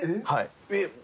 はい。